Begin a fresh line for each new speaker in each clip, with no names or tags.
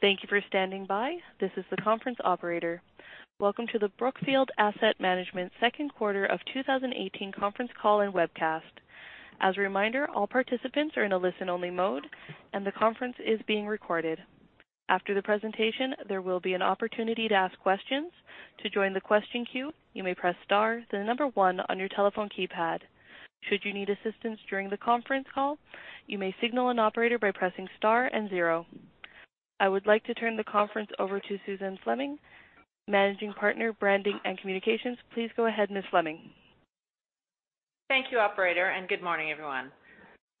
Thank you for standing by. This is the conference operator. Welcome to the Brookfield Asset Management second quarter of 2018 conference call and webcast. As a reminder, all participants are in a listen-only mode, and the conference is being recorded. After the presentation, there will be an opportunity to ask questions. To join the question queue, you may press star then the number one on your telephone keypad. Should you need assistance during the conference call, you may signal an operator by pressing star and zero. I would like to turn the conference over to Suzanne Fleming, Managing Partner, Branding and Communications. Please go ahead, Ms. Fleming.
Thank you, operator. Good morning, everyone.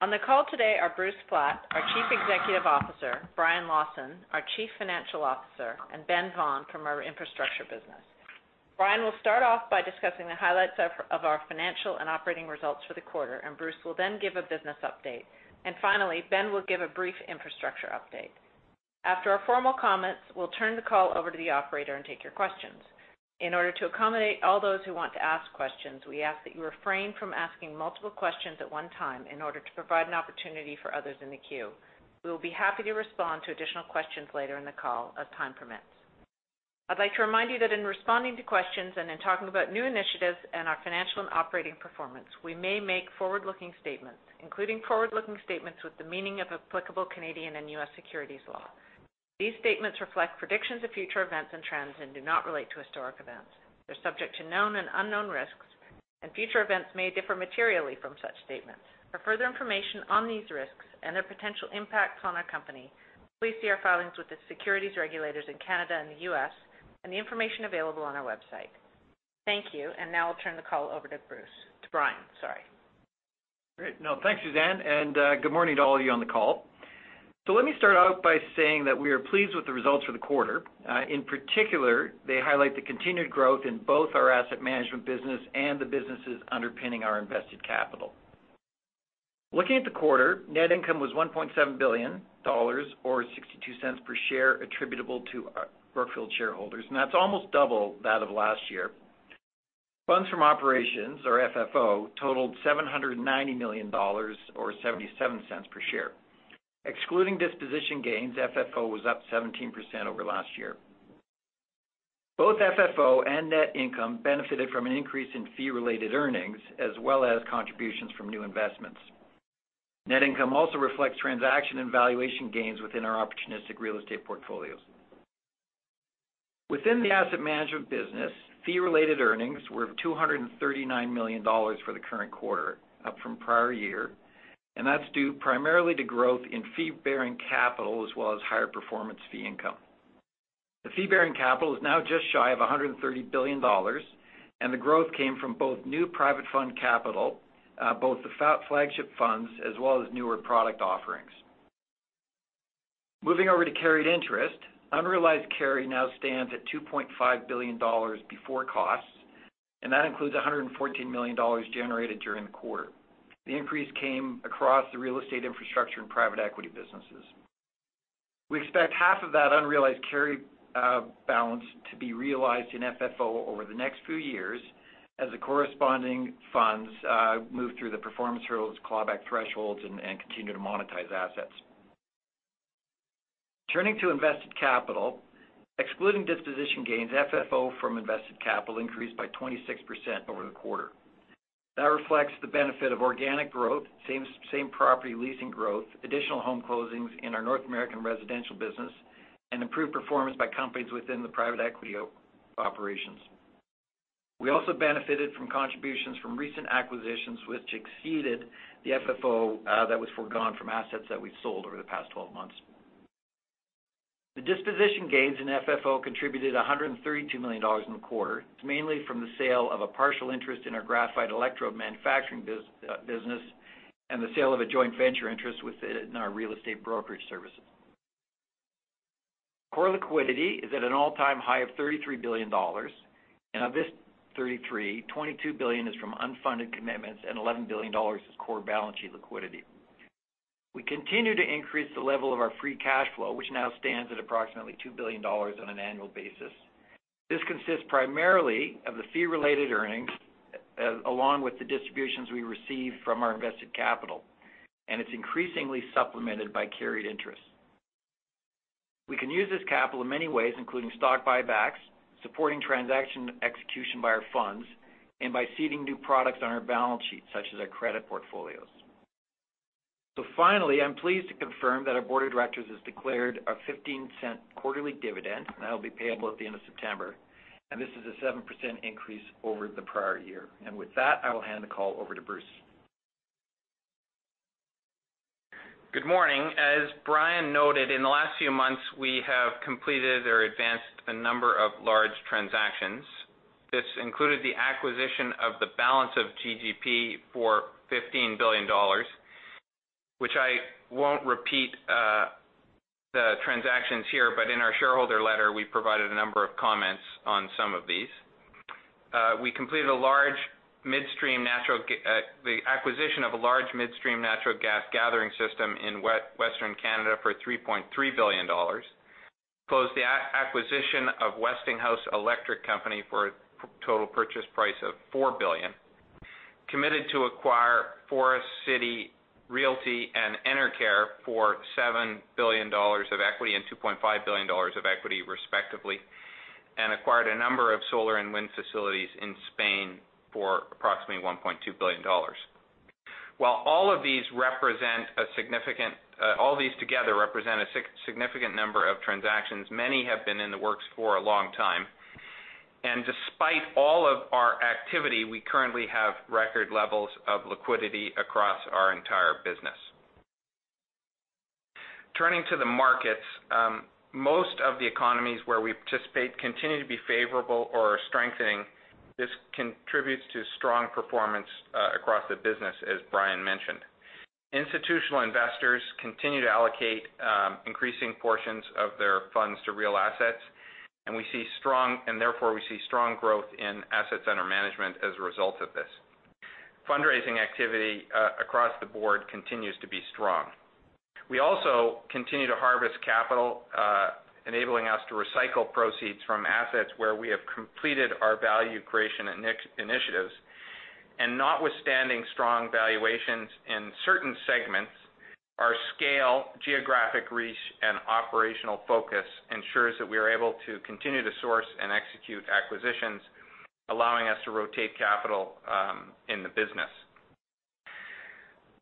On the call today are Bruce Flatt, our Chief Executive Officer, Brian Lawson, our Chief Financial Officer, and Ben Vaughan from our infrastructure business. Brian will start off by discussing the highlights of our financial and operating results for the quarter. Bruce will then give a business update. Finally, Ben will give a brief infrastructure update. After our formal comments, we'll turn the call over to the operator and take your questions. In order to accommodate all those who want to ask questions, we ask that you refrain from asking multiple questions at one time in order to provide an opportunity for others in the queue. We will be happy to respond to additional questions later in the call as time permits. I'd like to remind you that in responding to questions and in talking about new initiatives and our financial and operating performance, we may make forward-looking statements, including forward-looking statements with the meaning of applicable Canadian and U.S. securities law. These statements reflect predictions of future events and trends and do not relate to historic events. They're subject to known and unknown risks. Future events may differ materially from such statements. For further information on these risks and their potential impacts on our company, please see our filings with the securities regulators in Canada and the U.S. and the information available on our website. Thank you. Now I'll turn the call over to Bruce. To Brian, sorry.
Great. No, thanks, Suzanne. Good morning to all of you on the call. Let me start out by saying that we are pleased with the results for the quarter. In particular, they highlight the continued growth in both our asset management business and the businesses underpinning our invested capital. Looking at the quarter, net income was $1.7 billion or $0.62 per share attributable to Brookfield shareholders. That's almost double that of last year. Funds from operations, or FFO, totaled $790 million or $0.77 per share. Excluding disposition gains, FFO was up 17% over last year. Both FFO and net income benefited from an increase in fee-related earnings as well as contributions from new investments. Net income also reflects transaction and valuation gains within our opportunistic real estate portfolios. Within the asset management business, fee-related earnings were $239 million for the current quarter, up from prior year. That's due primarily to growth in fee-bearing capital as well as higher performance fee income. The fee-bearing capital is now just shy of $130 billion. The growth came from both new private fund capital, both the flagship funds as well as newer product offerings. Moving over to carried interest. Unrealized carry now stands at $2.5 billion before costs. That includes $114 million generated during the quarter. The increase came across the real estate infrastructure and private equity businesses. We expect half of that unrealized carry balance to be realized in FFO over the next few years as the corresponding funds move through the performance hurdles, clawback thresholds, and continue to monetize assets. Turning to invested capital. Excluding disposition gains, FFO from invested capital increased by 26% over the quarter. That reflects the benefit of organic growth, same property leasing growth, additional home closings in our North American residential business, and improved performance by companies within the private equity operations. We also benefited from contributions from recent acquisitions, which exceeded the FFO that was foregone from assets that we've sold over the past 12 months. The disposition gains in FFO contributed $132 million in the quarter. It's mainly from the sale of a partial interest in our graphite electrode manufacturing business and the sale of a joint venture interest within our real estate brokerage services. Core liquidity is at an all-time high of $33 billion. Of this 33, $22 billion is from unfunded commitments and $11 billion is core balance sheet liquidity. We continue to increase the level of our free cash flow, which now stands at approximately $2 billion on an annual basis. This consists primarily of the fee-related earnings, along with the distributions we receive from our invested capital, and it's increasingly supplemented by carried interest. We can use this capital in many ways, including stock buybacks, supporting transaction execution by our funds, and by seeding new products on our balance sheet, such as our credit portfolios. Finally, I'm pleased to confirm that our board of directors has declared a $0.15 quarterly dividend. That'll be payable at the end of September. This is a 7% increase over the prior year. With that, I will hand the call over to Bruce.
Good morning. As Brian noted, in the last few months, we have completed or advanced a number of large transactions. This included the acquisition of the balance of GGP for $15 billion, which I won't repeat the transactions here, but in our shareholder letter, we provided a number of comments on some of these. We completed the acquisition of a large midstream natural gas gathering system in Western Canada for $3.3 billion, closed the acquisition of Westinghouse Electric Company for a total purchase price of $4 billion Committed to acquire Forest City Realty and Enercare for $7 billion of equity and $2.5 billion of equity respectively, acquired a number of solar and wind facilities in Spain for approximately $1.2 billion. While all of these together represent a significant number of transactions, many have been in the works for a long time. Despite all of our activity, we currently have record levels of liquidity across our entire business. Turning to the markets, most of the economies where we participate continue to be favorable or are strengthening. This contributes to strong performance across the business, as Brian mentioned. Institutional investors continue to allocate increasing portions of their funds to real assets, therefore we see strong growth in assets under management as a result of this. Fundraising activity across the board continues to be strong. We also continue to harvest capital, enabling us to recycle proceeds from assets where we have completed our value creation initiatives. Notwithstanding strong valuations in certain segments, our scale, geographic reach, and operational focus ensures that we are able to continue to source and execute acquisitions, allowing us to rotate capital in the business.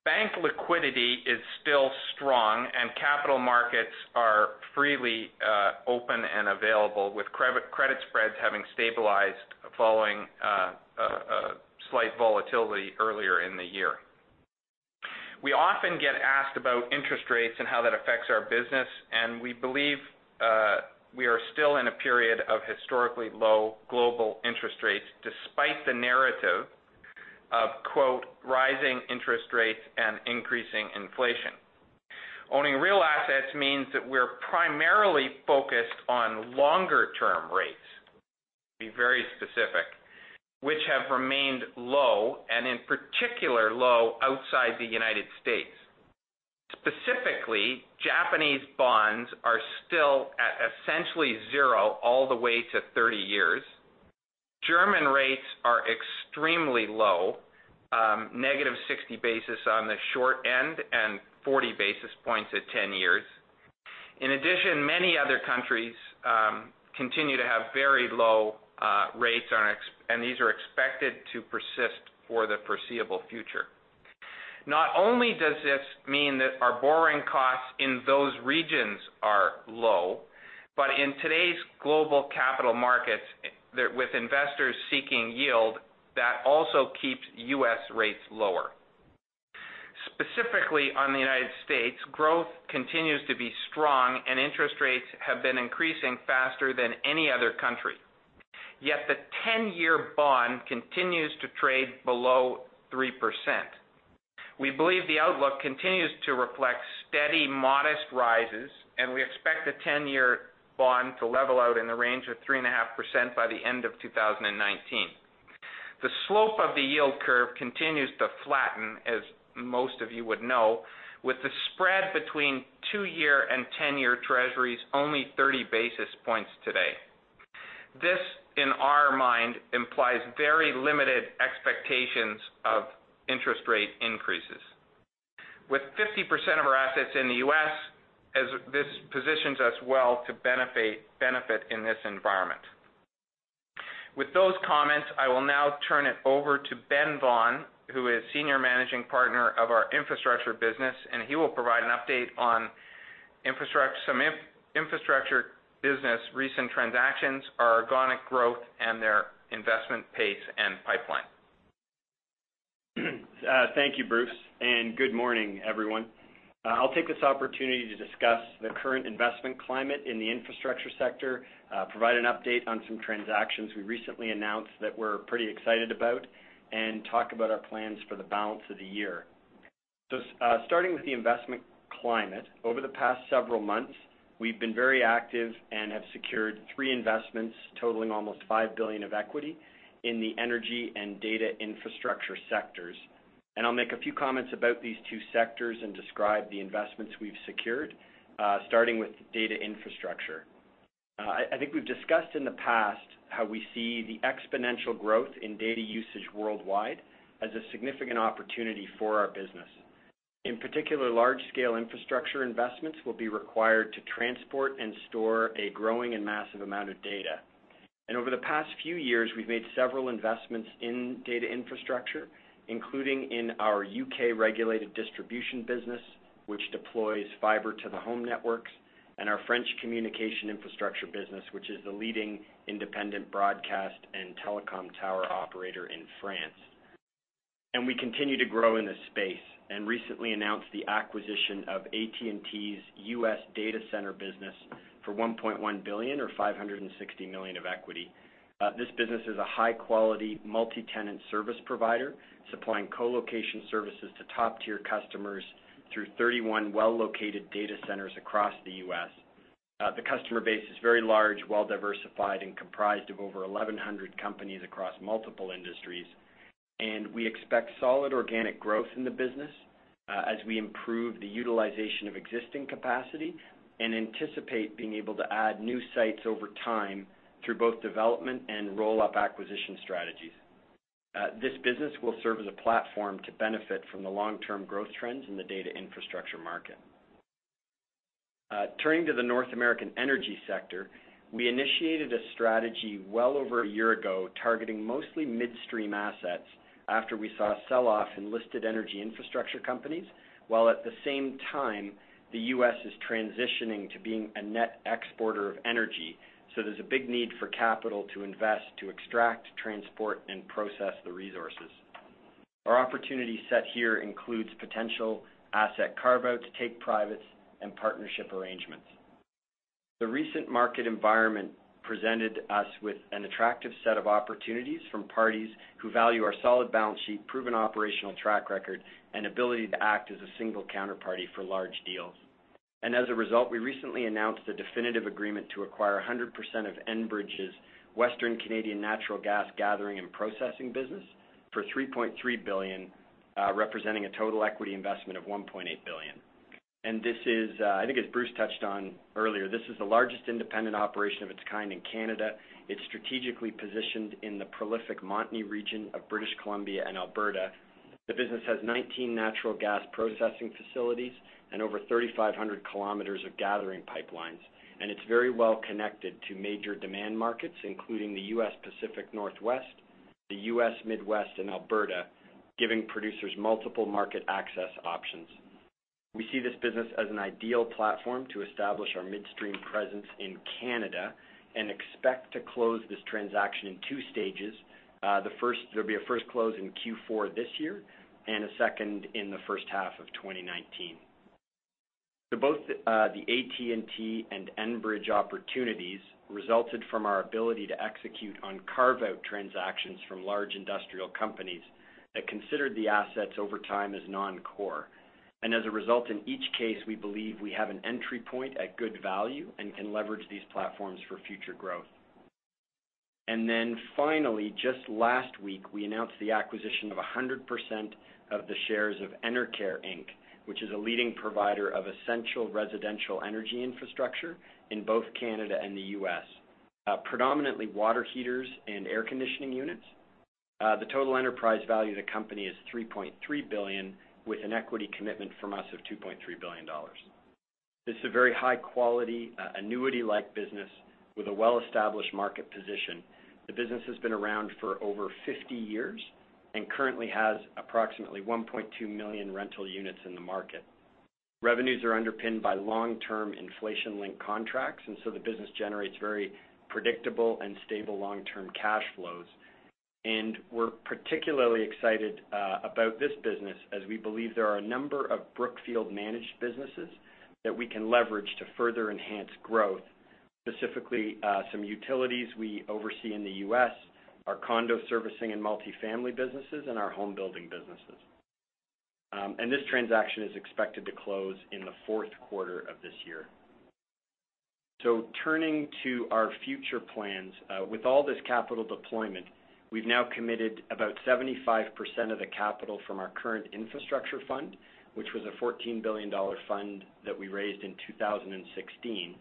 Bank liquidity is still strong, capital markets are freely open and available with credit spreads having stabilized following a slight volatility earlier in the year. We often get asked about interest rates and how that affects our business, we believe we are still in a period of historically low global interest rates despite the narrative of, quote, "rising interest rates and increasing inflation." Owning real assets means that we're primarily focused on longer-term rates, to be very specific, which have remained low, in particular, low outside the U.S. Specifically, Japanese bonds are still at essentially zero all the way to 30 years. German rates are extremely low, negative 60 basis on the short end, 40 basis points at 10 years. In addition, many other countries continue to have very low rates, these are expected to persist for the foreseeable future. Not only does this mean that our borrowing costs in those regions are low, but in today's global capital markets, with investors seeking yield, that also keeps U.S. rates lower. Specifically on the U.S., growth continues to be strong, interest rates have been increasing faster than any other country. Yet the 10-year bond continues to trade below 3%. We believe the outlook continues to reflect steady modest rises, we expect the 10-year bond to level out in the range of 3.5% by the end of 2019. The slope of the yield curve continues to flatten, as most of you would know, with the spread between two-year and 10-year Treasuries only 30 basis points today. This, in our mind, implies very limited expectations of interest rate increases. With 50% of our assets in the U.S., this positions us well to benefit in this environment. With those comments, I will now turn it over to Ben Vaughan, who is Senior Managing Partner of our infrastructure business, he will provide an update on some infrastructure business recent transactions, our organic growth, and their investment pace and pipeline.
Thank you, Bruce, and good morning, everyone. I'll take this opportunity to discuss the current investment climate in the infrastructure sector, provide an update on some transactions we recently announced that we're pretty excited about, and talk about our plans for the balance of the year. Starting with the investment climate. Over the past several months, we've been very active and have secured 3 investments totaling almost $5 billion of equity in the energy and data infrastructure sectors. I'll make a few comments about these two sectors and describe the investments we've secured, starting with data infrastructure. I think we've discussed in the past how we see the exponential growth in data usage worldwide as a significant opportunity for our business. In particular, large-scale infrastructure investments will be required to transport and store a growing and massive amount of data. Over the past few years, we've made several investments in data infrastructure, including in our U.K. regulated distribution business, which deploys fiber to the home networks, and our French communication infrastructure business, which is the leading independent broadcast and telecom tower operator in France. We continue to grow in this space and recently announced the acquisition of AT&T's U.S. data center business for $1.1 billion or $560 million of equity. This business is a high-quality multi-tenant service provider supplying co-location services to top-tier customers through 31 well-located data centers across the U.S. The customer base is very large, well-diversified, and comprised of over 1,100 companies across multiple industries. We expect solid organic growth in the business as we improve the utilization of existing capacity and anticipate being able to add new sites over time through both development and roll-up acquisition strategies. This business will serve as a platform to benefit from the long-term growth trends in the data infrastructure market. Turning to the North American energy sector, we initiated a strategy well over a year ago targeting mostly midstream assets after we saw a sell-off in listed energy infrastructure companies, while at the same time the U.S. is transitioning to being a net exporter of energy. There's a big need for capital to invest, to extract, transport, and process the resources. Our opportunity set here includes potential asset carve-outs, take-privates, and partnership arrangements. The recent market environment presented us with an attractive set of opportunities from parties who value our solid balance sheet, proven operational track record, and ability to act as a single counterparty for large deals. As a result, we recently announced a definitive agreement to acquire 100% of Enbridge's Western Canadian natural gas gathering and processing business for $3.3 billion, representing a total equity investment of $1.8 billion. This is, I think as Bruce touched on earlier, this is the largest independent operation of its kind in Canada. It's strategically positioned in the prolific Montney region of British Columbia and Alberta. The business has 19 natural gas processing facilities and over 3,500 kilometers of gathering pipelines. It's very well connected to major demand markets, including the U.S. Pacific Northwest, the U.S. Midwest, and Alberta, giving producers multiple market access options. We see this business as an ideal platform to establish our midstream presence in Canada and expect to close this transaction in 2 stages. There'll be a first close in Q4 this year and a second in the first half of 2019. Both the AT&T and Enbridge opportunities resulted from our ability to execute on carve-out transactions from large industrial companies that considered the assets over time as non-core. As a result, in each case, we believe we have an entry point at good value and can leverage these platforms for future growth. Then finally, just last week, we announced the acquisition of 100% of the shares of Enercare Inc., which is a leading provider of essential residential energy infrastructure in both Canada and the U.S. Predominantly water heaters and air conditioning units. The total enterprise value of the company is $3.3 billion, with an equity commitment from us of $2.3 billion. This is a very high-quality, annuity-like business with a well-established market position. The business has been around for over 50 years and currently has approximately 1.2 million rental units in the market. Revenues are underpinned by long-term inflation-linked contracts, the business generates very predictable and stable long-term cash flows. We're particularly excited about this business as we believe there are a number of Brookfield managed businesses that we can leverage to further enhance growth, specifically some utilities we oversee in the U.S., our condo servicing and multifamily businesses, and our home building businesses. This transaction is expected to close in the fourth quarter of this year. Turning to our future plans. With all this capital deployment, we've now committed about 75% of the capital from our current infrastructure fund, which was a $14 billion fund that we raised in 2016.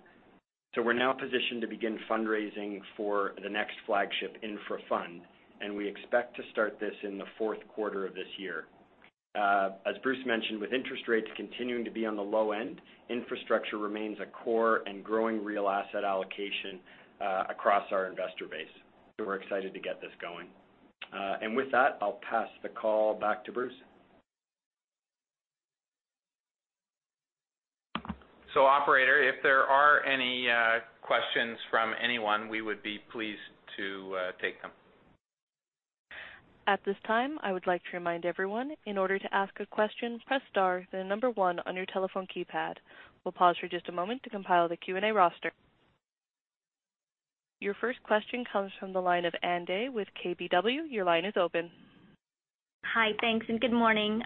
We're now positioned to begin fundraising for the next flagship infra fund, and we expect to start this in the fourth quarter of this year. As Bruce mentioned, with interest rates continuing to be on the low end, infrastructure remains a core and growing real asset allocation across our investor base. We're excited to get this going. With that, I'll pass the call back to Bruce. Operator, if there are any questions from anyone, we would be pleased to take them.
At this time, I would like to remind everyone, in order to ask a question, press star, then the number one on your telephone keypad. We'll pause for just a moment to compile the Q&A roster. Your first question comes from the line of Ann Dai with KBW. Your line is open.
Hi, thanks, and good morning.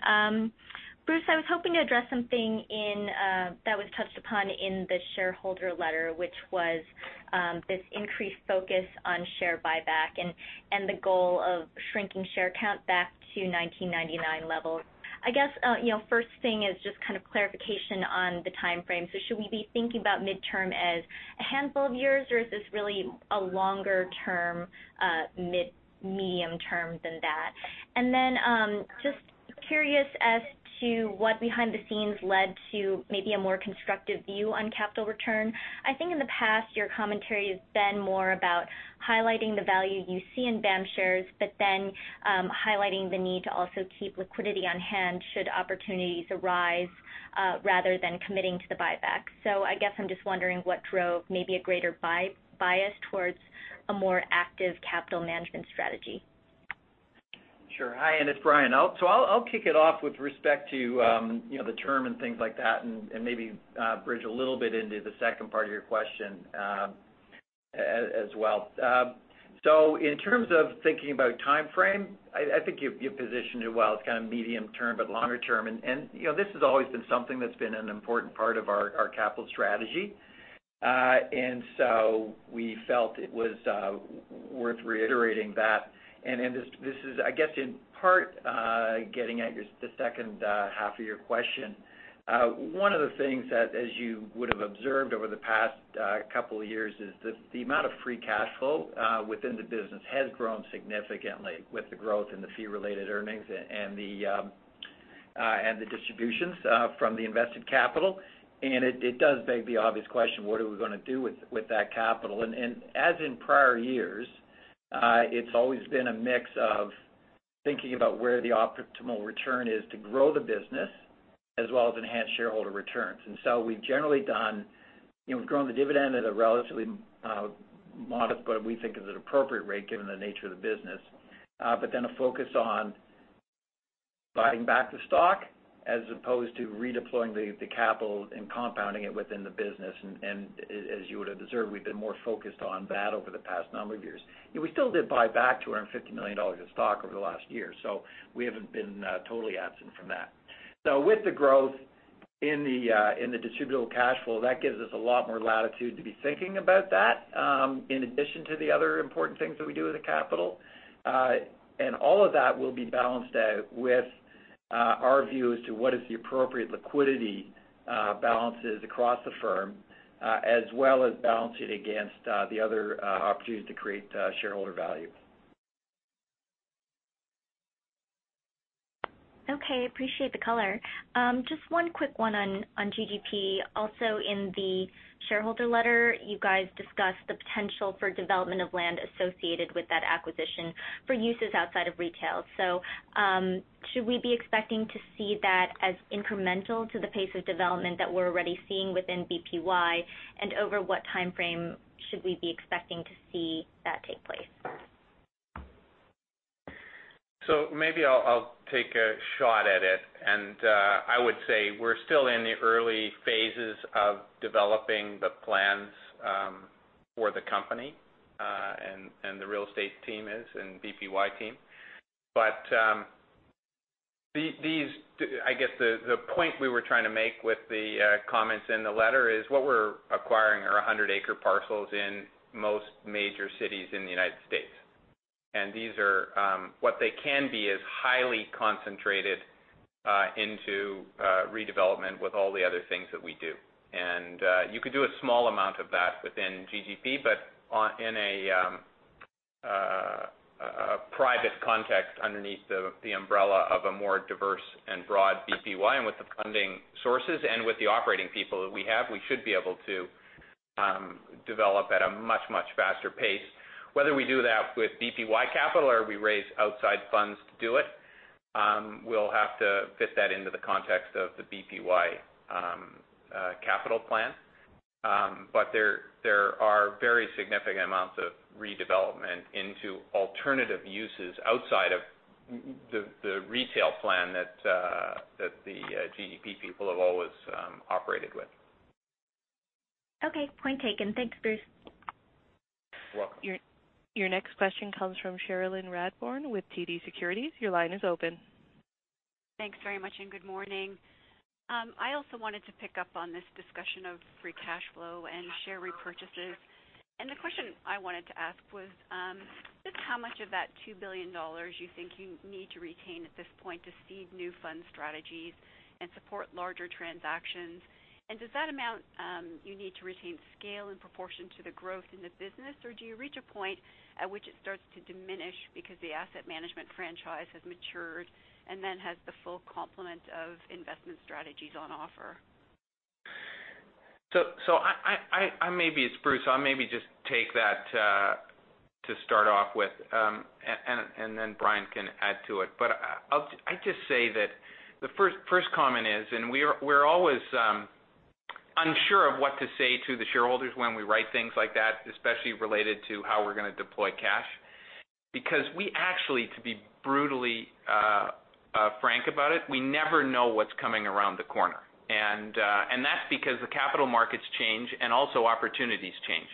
Bruce, I was hoping to address something that was touched upon in the shareholder letter, which was this increased focus on share buyback and the goal of shrinking share count back to 1999 levels. I guess, first thing is just clarification on the timeframe. Should we be thinking about midterm as a handful of years, or is this really a longer-term, medium term than that? Just curious as to what behind the scenes led to maybe a more constructive view on capital return. I think in the past, your commentary has been more about highlighting the value you see in BAM shares, highlighting the need to also keep liquidity on hand should opportunities arise rather than committing to the buyback. I guess I'm just wondering what drove maybe a greater bias towards a more active capital management strategy.
Sure. Hi, Arin, it's Brian. I'll kick it off with respect to the term and things like that, maybe bridge a little bit into the second part of your question as well. In terms of thinking about timeframe, I think you positioned it well. It's kind of medium term, but longer term. This has always been something that's been an important part of our capital strategy. We felt it was worth reiterating that. This is, I guess, in part getting at the second half of your question. One of the things that as you would've observed over the past couple of years is the amount of free cash flow within the business has grown significantly with the growth in the fee-related earnings and the distributions from the invested capital. It does beg the obvious question: what are we going to do with that capital? As in prior years, it's always been a mix of thinking about where the optimal return is to grow the business, as well as enhance shareholder returns. We've grown the dividend at what we think is an appropriate rate given the nature of the business. A focus on buying back the stock as opposed to redeploying the capital and compounding it within the business. As you would've observed, we've been more focused on that over the past number of years. We still did buy back $250 million in stock over the last year, we haven't been totally absent from that. With the growth in the distributable cash flow, that gives us a lot more latitude to be thinking about that, in addition to the other important things that we do with the capital. All of that will be balanced out with our view as to what is the appropriate liquidity balances across the firm, as well as balancing against the other opportunities to create shareholder value.
Okay. Appreciate the color. Just one quick one on GGP. Also, in the shareholder letter, you guys discussed the potential for development of land associated with that acquisition for uses outside of retail. Should we be expecting to see that as incremental to the pace of development that we're already seeing within BPY, and over what timeframe should we be expecting to see that take place?
Maybe I'll take a shot at it. I would say we're still in the early phases of developing the plans for the company. The real estate team is, and BPY team. I guess the point we were trying to make with the comments in the letter is what we're acquiring are 100-acre parcels in most major cities in the U.S. What they can be is highly concentrated into redevelopment with all the other things that we do. You could do a small amount of that within GGP, but in a private context underneath the umbrella of a more diverse and broad BPY. With the funding sources and with the operating people that we have, we should be able to develop at a much, much faster pace. Whether we do that with BPY capital or we raise outside funds to do it, we'll have to fit that into the context of the BPY capital plan. There are very significant amounts of redevelopment into alternative uses outside of the retail plan that the GGP people have always operated with.
Okay. Point taken. Thanks, Bruce.
You're welcome.
Your next question comes from Cherilyn Radbourne with TD Securities. Your line is open.
Thanks very much, good morning. I also wanted to pick up on this discussion of free cash flow and share repurchases. The question I wanted to ask was just how much of that $2 billion you think you need to retain at this point to seed new fund strategies and support larger transactions. Does that amount you need to retain scale in proportion to the growth in the business, or do you reach a point at which it starts to diminish because the asset management franchise has matured and then has the full complement of investment strategies on offer?
Bruce, I'll maybe just take that to start off with, and then Brian can add to it. I just say that the first comment is, and we're always unsure of what to say to the shareholders when we write things like that, especially related to how we're going to deploy cash. We actually, to be brutally frank about it, we never know what's coming around the corner. That's because the capital markets change and also opportunities change.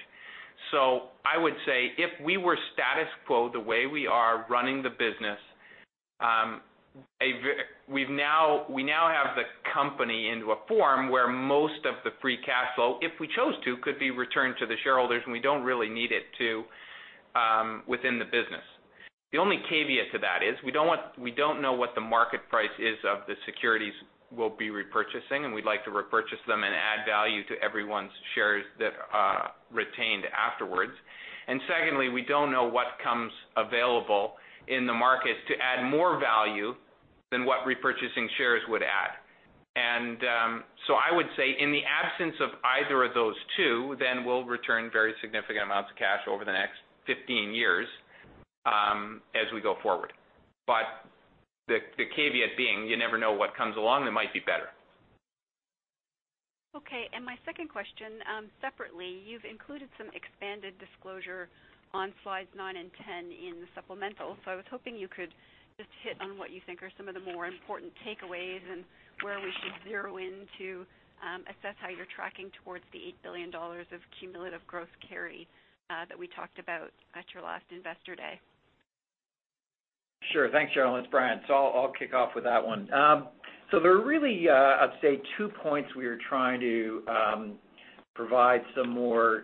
I would say if we were status quo the way we are running the business, we now have the company into a form where most of the free cash flow, if we chose to, could be returned to the shareholders, and we don't really need it to within the business. The only caveat to that is we don't know what the market price is of the securities we'll be repurchasing. We'd like to repurchase them and add value to everyone's shares that are retained afterwards. Secondly, we don't know what comes available in the market to add more value than what repurchasing shares would add. I would say in the absence of either of those two, then we'll return very significant amounts of cash over the next 15 years as we go forward. The caveat being you never know what comes along that might be better.
Okay. My second question, separately, you've included some expanded disclosure on slides nine and 10 in the supplemental. I was hoping you could just hit on what you think are some of the more important takeaways and where we should zero in to assess how you're tracking towards the $8 billion of cumulative growth carry that we talked about at your last Investor Day.
Sure. Thanks, Cheryl. It's Brian. I'll kick off with that one. There are really, I'd say, two points we are trying to provide some more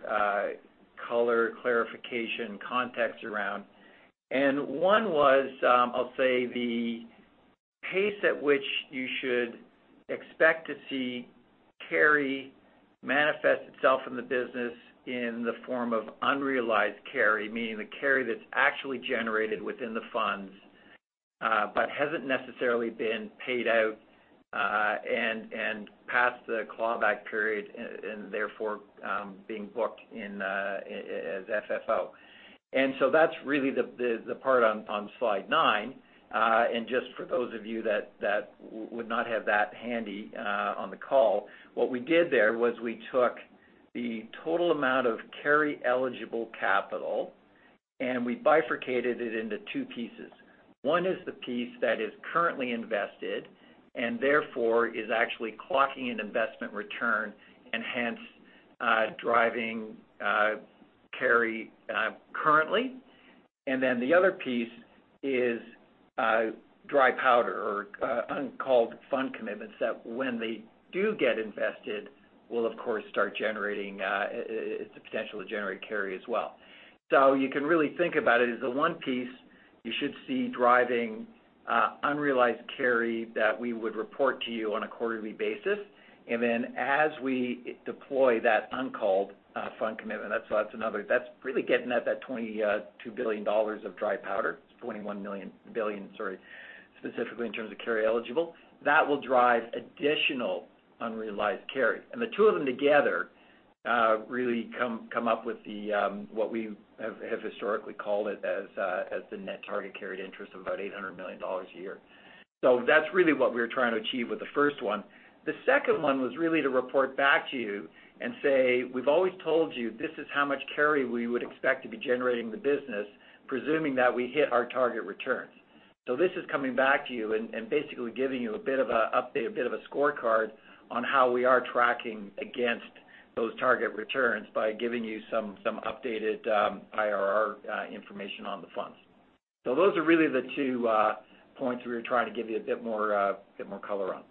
color, clarification, context around. One was, I'll say, the pace at which you should expect to see carry manifest itself in the business in the form of unrealized carry. Meaning the carry that's actually generated within the funds, but hasn't necessarily been paid out, and past the clawback period, and therefore, being booked as FFO. That's really the part on slide nine. Just for those of you that would not have that handy on the call, what we did there was we took the total amount of carry-eligible capital, and we bifurcated it into two pieces. One is the piece that is currently invested, and therefore, is actually clocking an investment return, and hence, driving carry currently. The other piece is dry powder or uncalled fund commitments that when they do get invested, will of course start generating, it's the potential to generate carry as well. You can really think about it as the one piece you should see driving unrealized carry that we would report to you on a quarterly basis. As we deploy that uncalled fund commitment. That's really getting at that $22 billion of dry powder. It's $21 billion, sorry, specifically in terms of carry eligible. That will drive additional unrealized carry. The two of them together really come up with what we have historically called it as the net target carried interest of about $800 million a year. That's really what we were trying to achieve with the first one. The second one was really to report back to you and say, we've always told you this is how much carry we would expect to be generating the business, presuming that we hit our target returns. This is coming back to you and basically giving you a bit of a update, a bit of a scorecard on how we are tracking against those target returns by giving you some updated IRR information on the funds. Those are really the two points we were trying to give you a bit more color on.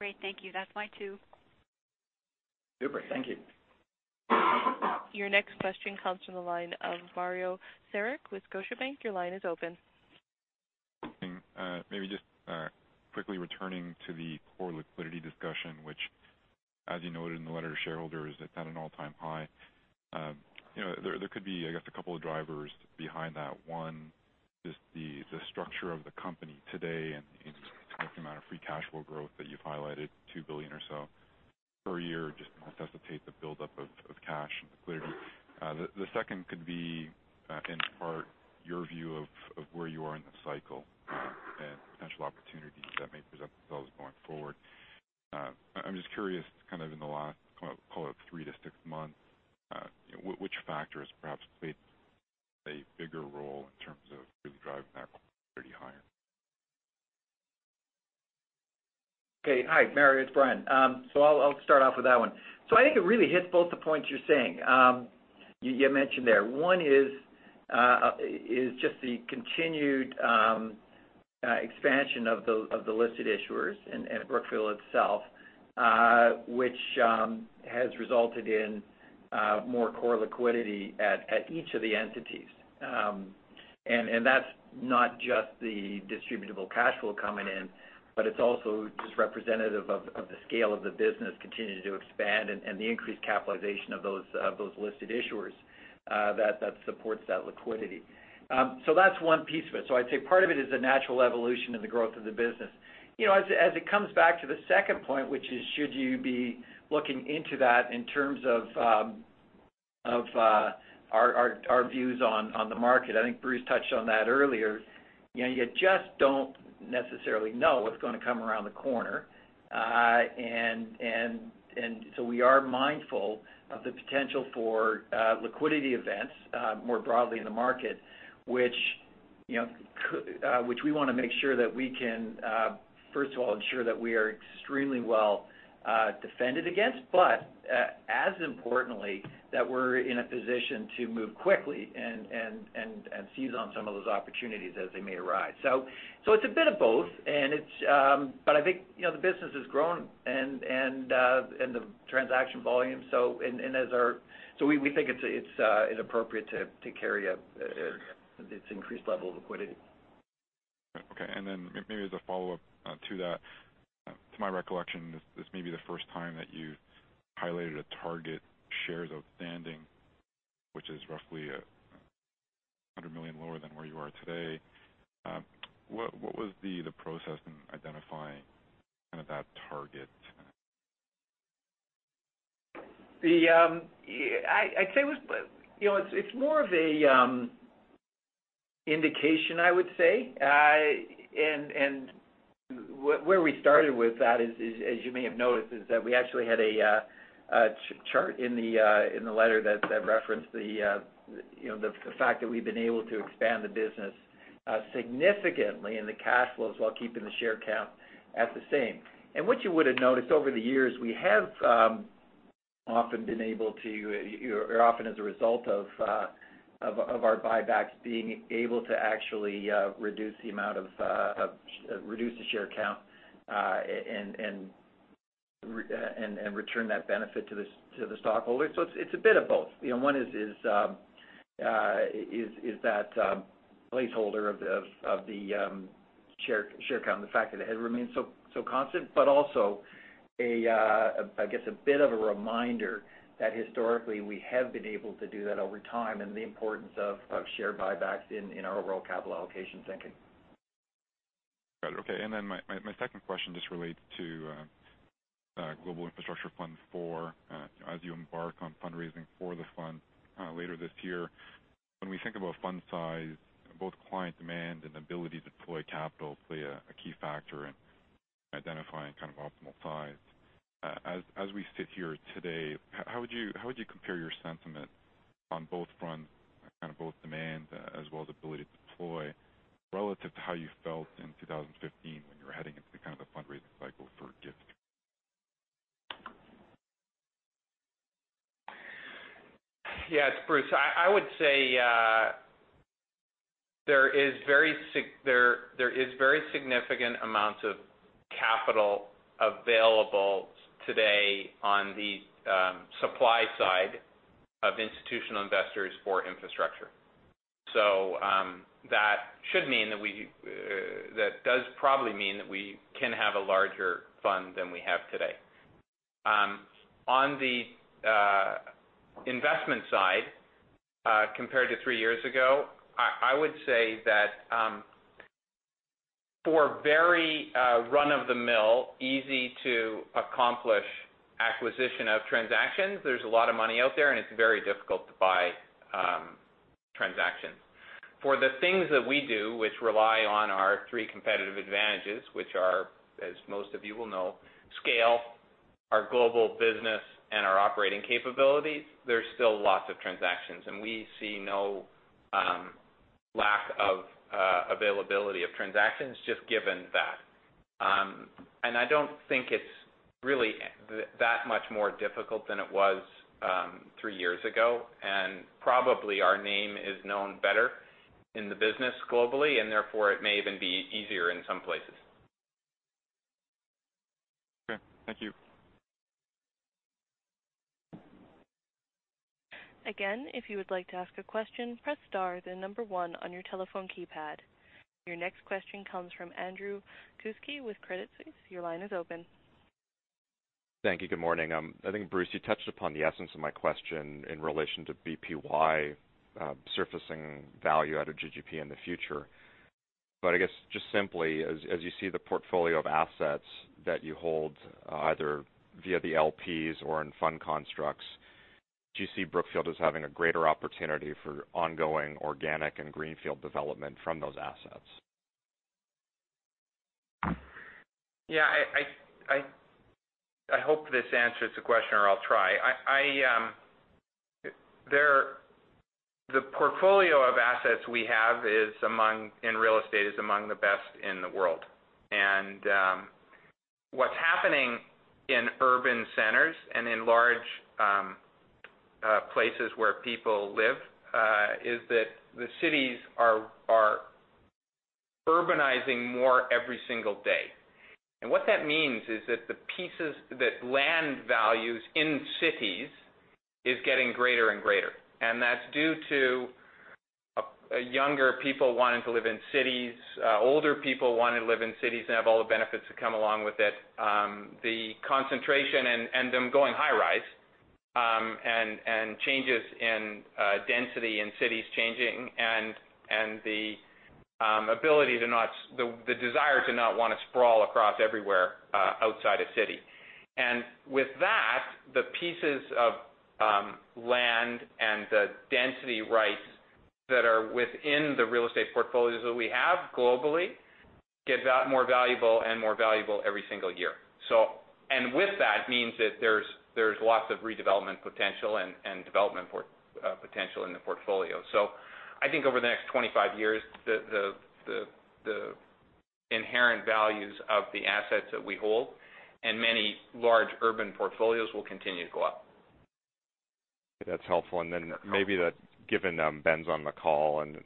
Great. Thank you. That's my two.
Super. Thank you.
Your next question comes from the line of Mario Saric with Scotiabank. Your line is open.
Returning to the core liquidity discussion, which as you noted in the letter to shareholders, it's at an all-time high. There could be, I guess, a couple of drivers behind that. One is the structure of the company today and the amount of free cash flow growth that you've highlighted, $2 billion or so per year, just necessitates the buildup of cash and liquidity. The second could be, in part, your view of where you are in the cycle and potential opportunities that may present themselves going forward. I'm just curious, kind of in the last, call it three to six months, which factor has perhaps played a bigger role in terms of really driving that liquidity higher?
Okay. Hi, Mario, it's Brian. I'll start off with that one. I think it really hits both the points you're saying. You mentioned there. One is just the continued expansion of the listed issuers and Brookfield itself, which has resulted in more core liquidity at each of the entities. That's not just the distributable cash flow coming in, but it's also just representative of the scale of the business continuing to expand and the increased capitalization of those listed issuers that supports that liquidity. That's one piece of it. I'd say part of it is the natural evolution of the growth of the business. As it comes back to the second point, which is should you be looking into that in terms of our views on the market. I think Bruce touched on that earlier. You just don't necessarily know what's going to come around the corner. We are mindful of the potential for liquidity events more broadly in the market, which we want to make sure that we can, first of all, ensure that we are extremely well defended against, but as importantly, that we're in a position to move quickly and seize on some of those opportunities as they may arise. It's a bit of both. I think the business has grown and the transaction volume. We think it's appropriate to carry this increased level of liquidity.
Okay. Maybe as a follow-up to that. To my recollection, this may be the first time that you highlighted a target shares outstanding, which is roughly 100 million lower than where you are today. What was the process in identifying kind of that target?
It's more of an indication, I would say. Where we started with that is, as you may have noticed, is that we actually had a chart in the letter that referenced the fact that we've been able to expand the business significantly in the cash flows while keeping the share count at the same. What you would've noticed over the years, we have Often been able to, or often as a result of our buybacks being able to actually reduce the share count and return that benefit to the stockholder. It's a bit of both. One is that placeholder of the share count, and the fact that it has remained so constant. Also, I guess, a bit of a reminder that historically we have been able to do that over time, and the importance of share buybacks in our overall capital allocation thinking.
Got it. Okay. Then my second question just relates to Brookfield Infrastructure Fund IV as you embark on fundraising for this fund later this year. When we think about fund size, both client demand and ability to deploy capital play a key factor in identifying optimal size. As we sit here today, how would you compare your sentiment on both fronts, both demand as well as ability to deploy relative to how you felt in 2015 when you were heading into the kind of the fundraising cycle for BIF?
Yes, Bruce, I would say there is very significant amounts of capital available today on the supply side of institutional investors for infrastructure. That does probably mean that we can have a larger fund than we have today. On the investment side, compared to three years ago, I would say that for very run-of-the-mill, easy-to-accomplish acquisition of transactions, there's a lot of money out there, and it's very difficult to buy transactions. For the things that we do, which rely on our three competitive advantages, which are, as most of you will know, scale, our global business, and our operating capabilities, there's still lots of transactions. We see no lack of availability of transactions just given that. I don't think it's really that much more difficult than it was three years ago. Probably our name is known better in the business globally, and therefore, it may even be easier in some places.
Okay. Thank you.
Again, if you would like to ask a question, press star, then number 1 on your telephone keypad. Your next question comes from Andrew Kuske with Credit Suisse. Your line is open.
Thank you. Good morning. I think, Bruce, you touched upon the essence of my question in relation to BPY surfacing value out of GGP in the future. I guess just simply as you see the portfolio of assets that you hold, either via the LPs or in fund constructs, do you see Brookfield as having a greater opportunity for ongoing organic and greenfield development from those assets?
Yeah. I hope this answers the question, or I'll try. The portfolio of assets we have in real estate is among the best in the world. What's happening in urban centers and in large places where people live, is that the cities are urbanizing more every single day. What that means is that the pieces, that land values in cities is getting greater and greater. That's due to younger people wanting to live in cities, older people wanting to live in cities and have all the benefits that come along with it. The concentration and them going high-rise, and changes in density in cities changing, and the desire to not want to sprawl across everywhere outside a city. With that, the pieces of land and the density rights that are within the real estate portfolios that we have globally get more valuable and more valuable every single year. With that means that there's lots of redevelopment potential and development potential in the portfolio. I think over the next 25 years, the inherent values of the assets that we hold and many large urban portfolios will continue to go up.
That's helpful. Then maybe that given Ben's on the call and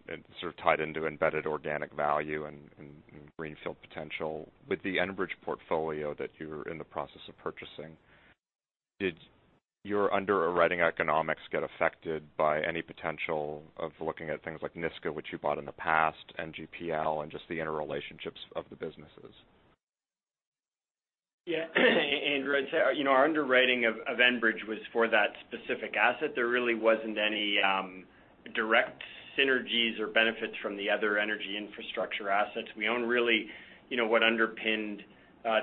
sort of tied into embedded organic value and greenfield potential. With the Enbridge portfolio that you're in the process of purchasing, did your underwriting economics get affected by any potential of looking at things like Niska, which you bought in the past, and GLP and just the interrelationships of the businesses?
Yeah. Andrew, I'd say, our underwriting of Enbridge was for that specific asset. There really wasn't any direct synergies or benefits from the other energy infrastructure assets we own, really. What underpinned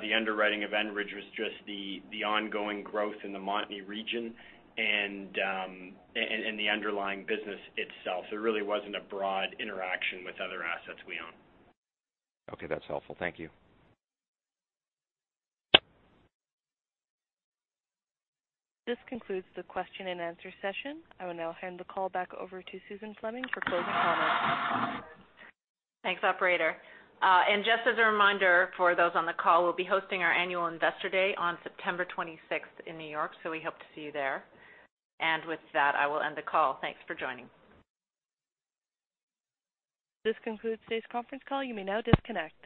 the underwriting of Enbridge was just the ongoing growth in the Montney region and the underlying business itself. There really wasn't a broad interaction with other assets we own.
Okay. That's helpful. Thank you.
This concludes the question and answer session. I will now hand the call back over to Suzanne Fleming for closing comments.
Thanks, operator. Just as a reminder for those on the call, we'll be hosting our annual investor day on September 26th in New York. We hope to see you there. With that, I will end the call. Thanks for joining.
This concludes today's conference call. You may now disconnect.